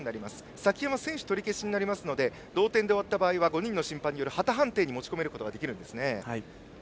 崎山は先取が取り消しになりますので同点で終わった場合は５人の審判による旗判定に持ち込むことができます。